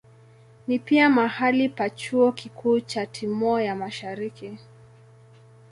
Ni pia mahali pa chuo kikuu cha Timor ya Mashariki.